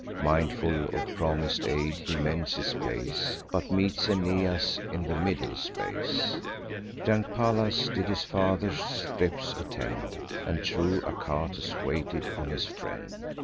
Mindful of promis'd aid, he mends his pace, But meets Aeneas in the middle space. Young Pallas did his father's steps attend, And true Achates waited on his friend.